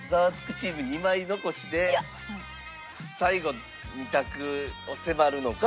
チーム２枚残しで最後２択を迫るのか